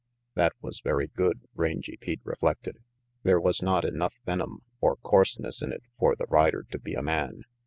That was very good, Rangy Pete reflected. There was not enough venom or coarseness in it for the rider to be a man.